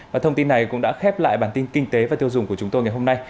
và thông tin này cũng đã khép lại bản tin kinh tế và tiêu dùng của chúng tôi ngày hôm nay